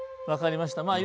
わかりました。